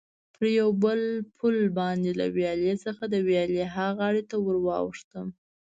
پر یو پل باندې له ویالې څخه د ویالې ها غاړې ته ور واوښتم.